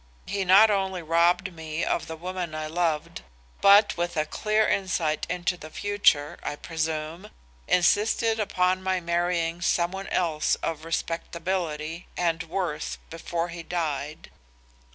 He not only robbed me of the woman I loved, but with a clear insight into the future, I presume, insisted upon my marrying some one else of respectability and worth before he died.